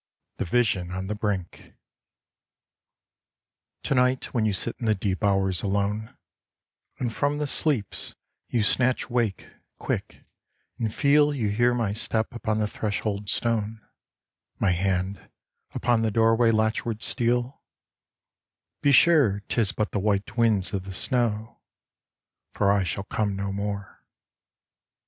THE VISION ON THE BRINK To night when you sit in the deep hours alone, And from the sleeps you snatch wake quick and feel You hear my step upon the threshold stone, My hand upon the doorway latchward steal, Be sure 'tis but the white winds of the snow, For I shall come no more.